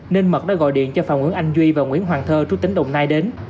nên mật đã gọi điện cho phạm nguyễn anh duy và nguyễn hoàng thơ trú tính đồng nai đến